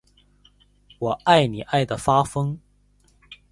我爱你爱的发疯